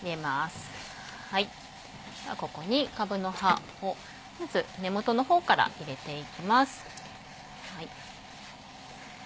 そしたらここにかぶの葉をまず根元の方から入れていきます。